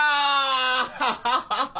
アハハハ！